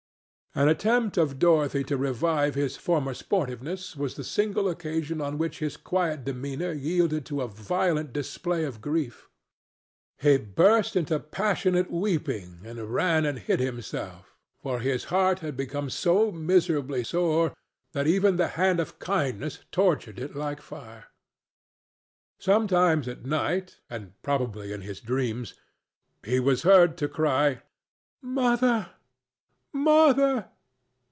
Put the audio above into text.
An attempt of Dorothy to revive his former sportiveness was the single occasion on which his quiet demeanor yielded to a violent display of grief; he burst into passionate weeping and ran and hid himself, for his heart had become so miserably sore that even the hand of kindness tortured it like fire. Sometimes at night, and probably in his dreams, he was heard to cry, "Mother! Mother!"